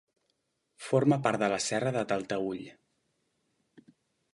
Forma part de la Serra de Talteüll.